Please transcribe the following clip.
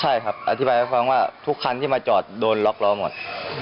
ใช่ครับอธิบายให้ฟังว่าทุกคันที่มาจอดโดนล็อกล้อหมด